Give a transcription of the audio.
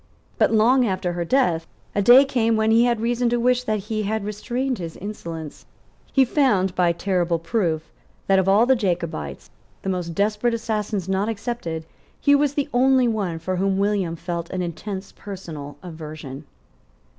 But, long after her death, a day came when he had reason to wish that he had restrained his insolence. He found, by terrible proof, that of all the Jacobites, the most desperate assassins not excepted, he was the only one for whom William felt an intense personal aversion.